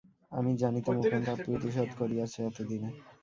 আমি জানিতাম, উপেন তাহা পরিশোধ করিয়াছে এতদিনে।